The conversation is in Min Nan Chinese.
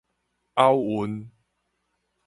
拗韻